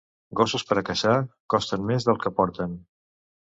Gossos per a caçar costen més del que porten.